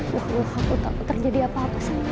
ya allah aku takut terjadi apa apa sama mereka berdua